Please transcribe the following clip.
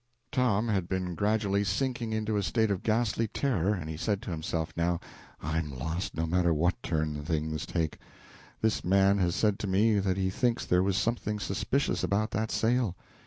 Tom had been gradually sinking into a state of ghastly terror, and he said to himself, now: "I'm lost, no matter what turn things take! This man has said to me that he thinks there was something suspicious about that sale.